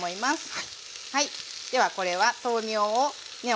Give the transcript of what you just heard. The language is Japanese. はい。